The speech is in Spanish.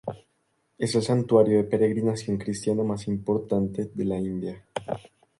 Es el santuario de peregrinación cristiana más importante de la India.